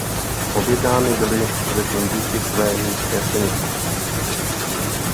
Objednány byly především díky své nízké ceně.